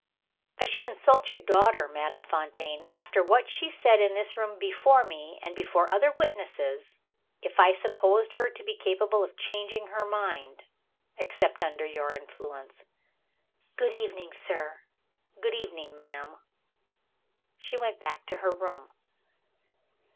"I should insult your daughter, Madame Fontaine after what she said in this room before me and before other witnesses if I supposed her to be capable of changing her mind, except under your influence. "Good evening, sir." "Good evening, madam." She went back to her room.